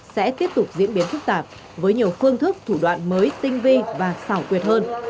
sẽ tiếp tục diễn biến phức tạp với nhiều phương thức thủ đoạn mới tinh vi và xảo quyệt hơn